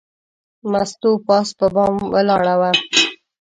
مستو پاس په بام ولاړه وه.